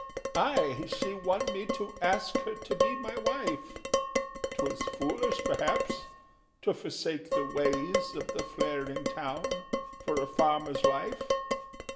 "Ay, she won me to ask her to be my wife— 'Twas foolish perhaps!—to forsake the ways Of the flaring town for a farmer's life.